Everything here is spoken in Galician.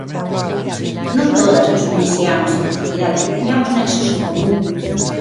Non todas nos coñeciamos en profundidade pero tiñamos nexos en común.